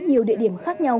nhiều địa điểm khác nhau